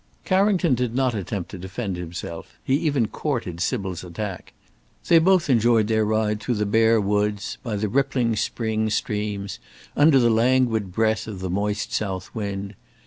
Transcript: Carrington did not attempt to defend himself; he even courted Sybil's attack. They both enjoyed their ride through the bare woods, by the rippling spring streams, under the languid breath of the moist south wind.